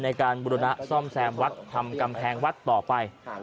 ในการบุรณะซ่อมแซมวัดทำกำแพงวัดต่อไป